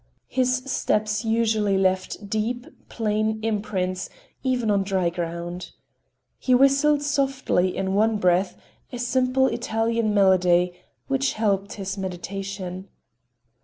His steps usually left deep, plain imprints even on dry ground. He whistled softly, in one breath, a simple Italian melody, which helped his meditation.